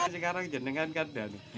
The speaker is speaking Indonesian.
sekarang jenengan kan daun